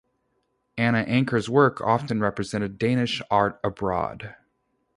Anna Ancher's works often represented Danish art abroad.